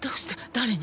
誰に？